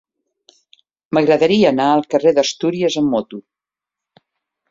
M'agradaria anar al carrer d'Astúries amb moto.